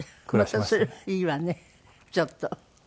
またそれもいいわねちょっと。